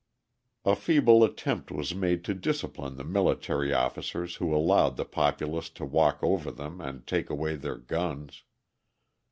A feeble attempt was made to discipline the military officers who allowed the populace to walk over them and take away their guns.